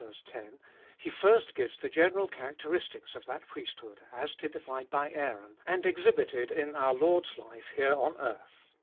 10) he first gives the general characteristics of that priesthood, as typified by Aaron, and exhibited in our Lord's life here on earth.